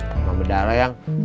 demam berdarah yang